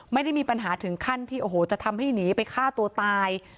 ไม่ได้มีปัญหาถึงขั้นที่โอ้โหจะทำให้หนีไปฆ่าตัวตาย